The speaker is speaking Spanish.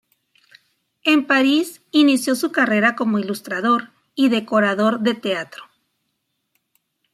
En París inició su carrera como ilustrador y decorador de teatro.